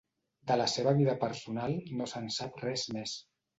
De la seva vida personal no se'n sap res més.